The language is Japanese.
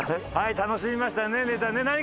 はい楽しみましたねネタね。